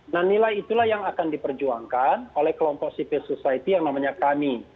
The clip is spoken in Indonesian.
nah nilai itulah yang akan diperjuangkan oleh kelompok civil society yang namanya kami